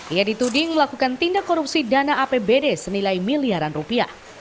ia dituding melakukan tindak korupsi dana apbd senilai miliaran rupiah